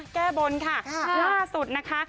แก้บนค่ะล่าสุดนะคะ